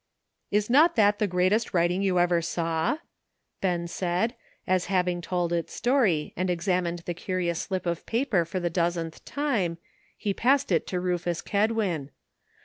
'' Is not that the greatest writing you ever saw ?" Ben said, as, having told its story and examined the curious slip of paper for the dozenth time, he passed it to Rufus Kedwin.